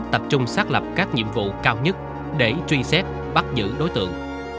tập trung xác lập các nhiệm vụ cao nhất để truy xét bắt giữ đối tượng